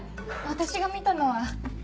私が見たのは。